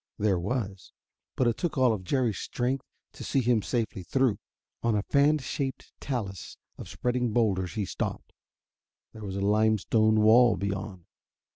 There was, but it took all of Jerry's strength to see him safely through. On a fan shaped talus of spreading boulders he stopped. There was a limestone wall beyond.